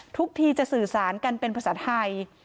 ทุกทีจะสื่อสารกันเป็นภาษาไทย